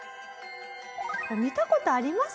見た事あります？